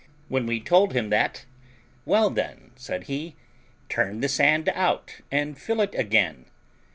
When we told him that, "Well, then," said he, "turn the sand out, and fill it again."